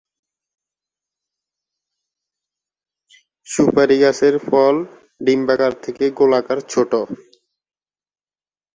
সুপারি গাছের ফল ডিম্বাকার থেকে গোলাকার, ছোট।